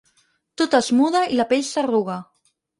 Tot es muda i la pell s'arruga.